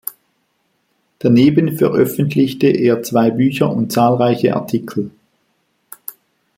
Daneben veröffentlichte er zwei Bücher und zahlreiche Artikel.